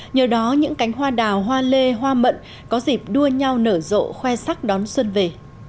nhờ đó những cánh hoa đào hoa lê hoa mận có dịp đua nhau nở rộ khoe sắc đón xuân về